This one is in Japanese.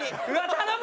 頼む！